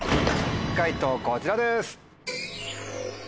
解答こちらです。